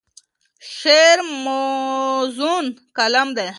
شعر موزون کلام دی.